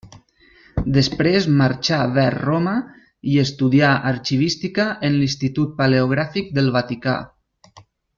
Després marxà vers Roma i estudia arxivística en l'Institut Paleogràfic del Vaticà.